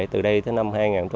từ đây tới năm hai nghìn hai mươi